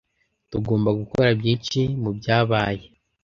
tugomba gukora byinshi mubyabaye.